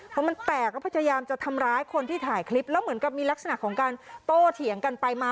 พอมันแตกก็พยายามจะทำร้ายคนที่ถ่ายคลิปแล้วเหมือนกับมีลักษณะของการโตเถียงกันไปมา